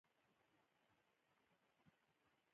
مېوې د افغانستان د شنو سیمو یوه ډېره ښکلې ښکلا ده.